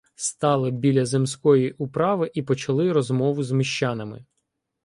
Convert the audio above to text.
Стали біля земської управи і почали розмову з міщанами.